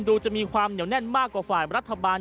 จะมีความเหนียวแน่นมากกว่าฝ่ายรัฐบาล